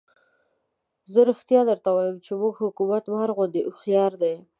زه رښتیا درته وایم چې زموږ حکومت مار غوندې هوښیار دی.